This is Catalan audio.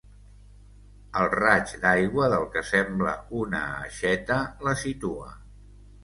El raig d'aigua del que sembla una aixeta la situa.